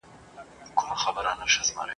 د ډېوې دښمن به ړوند وي د کتاب غلیم زبون وي ..